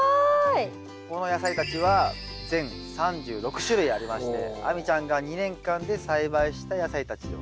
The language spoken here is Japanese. この野菜たちは全３６種類ありまして亜美ちゃんが２年間で栽培した野菜たちの種類ですね。